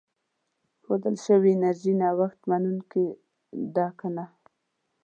ښودل شوې انرژي نوښت منونکې ده که نه.